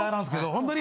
ホントに。